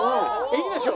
いいでしょ？